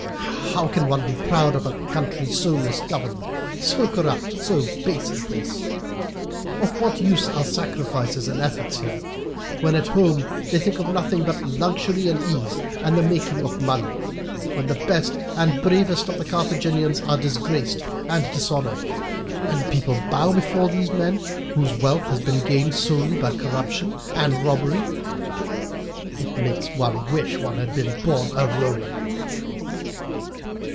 How can one be proud of a country so misgoverned, so corrupt, so base as this? Of what use are sacrifices and efforts here, when at home they think of nothing but luxury and ease and the making of money, when the best and bravest of the Carthaginians are disgraced and dishonoured, and the people bow before these men whose wealth has been gained solely by corruption and robbery? It makes one wish one had been born a Roman."